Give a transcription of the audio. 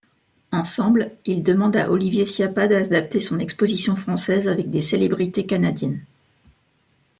Ensemble, ils demandent à Olivier Ciappa d’adapter son exposition française avec des célébrités canadiennes.